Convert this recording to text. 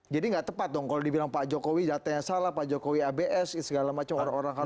jadi nggak tepat dong kalau dibilang pak jokowi datanya salah pak jokowi abs segala macam orang orang harus